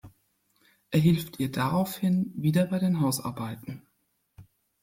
Er hilft ihr daraufhin wieder bei den Hausarbeiten.